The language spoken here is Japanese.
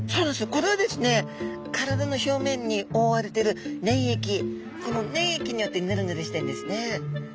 これはですね体の表面におおわれている粘液この粘液によってヌルヌルしてるんですね。